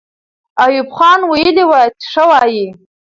ایوب خان ویلي وو چې ښه وایي.